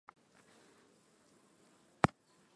huyu amemkumbusha raisi wa ufaransa